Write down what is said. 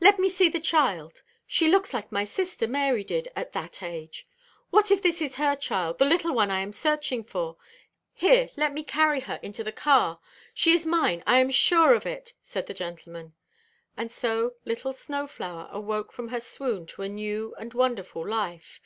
"Let me see the child. She looks as my sister Mary did at that age. What if this is her child, the little one I am searching for? Here, let me carry her into the car; she is mine; I am sure of it," said the gentleman. And so little Snow flower awoke from her swoon to a new and wonderful life.